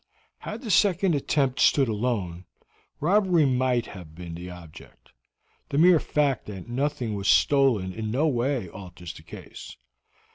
Had the second attempt stood alone, robbery might have been the object; the mere fact that nothing was stolen in no way alters the case.